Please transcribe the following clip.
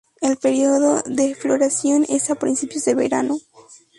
El período de floración es a principios de verano.